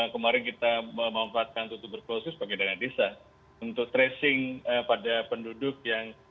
kemarin kita memanfaatkan tutup berkusus pakai dana desa untuk tracing pada penduduk yang